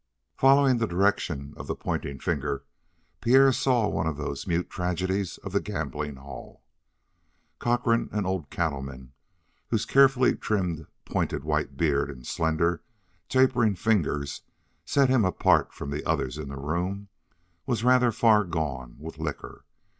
Following the direction of the pointing finger, Pierre saw one of those mute tragedies of the gambling hall. Cochrane, an old cattleman whose carefully trimmed, pointed white beard and slender, tapering fingers set him apart from the others in the room, was rather far gone with liquor.